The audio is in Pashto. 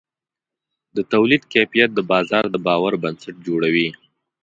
د تولید کیفیت د بازار د باور بنسټ جوړوي.